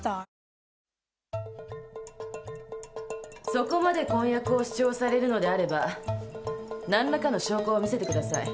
そこまで婚約を主張されるのであれば何らかの証拠を見せてください。